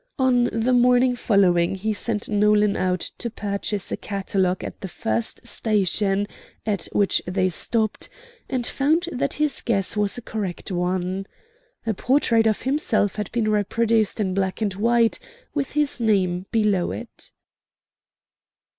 On the morning following he sent Nolan out to purchase a catalogue at the first station at which they stopped, and found that his guess was a correct one. A portrait of himself had been reproduced in black and white, with his name below it.